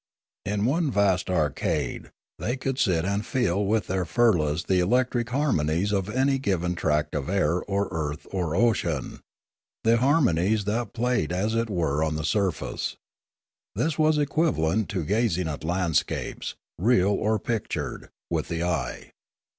In one vast arcade they could sit and feel with their firlas the electric harmonies of any given tract of air or earth or ocean, the harmonies that play as it were on the surface; this was equivalent to gazing at landscapes, real or pic tured, with the eye.